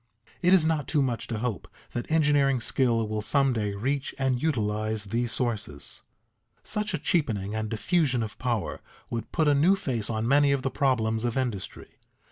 It is not too much to hope that engineering skill will some day reach and utilize these sources. Such a cheapening and diffusion of power would put a new face on many of the problems of industry.